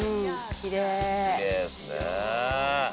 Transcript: きれいですね。